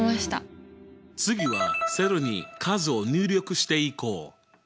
次はセルに「数」を入力していこう！